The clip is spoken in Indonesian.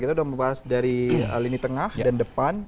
kita sudah membahas dari lini tengah dan depan